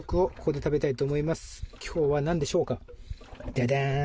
ジャジャン！